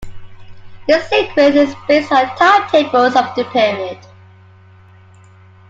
This sequence is based on timetables of the period.